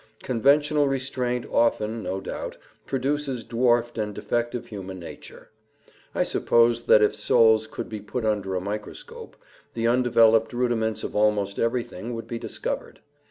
Conventional restraint often, no doubt, produces dwarfed and defective human nature. I suppose that if souls could be put under a microscope, the undeveloped rudiments of almost everything would be discovered.